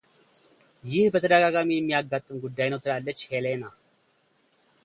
ይህ በተደጋጋሚ የሚያጋጥም ጉዳይ ነው ትላለች ሄለና።